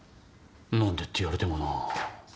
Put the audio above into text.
何でって言われてもな。